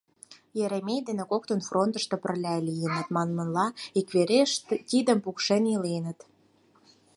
Еремей дене коктын фронтышто пырля лийыныт, манмыла, иквереш тийым пукшен иленыт.